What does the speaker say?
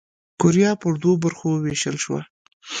کوریا پر دوو برخو ووېشل شوه.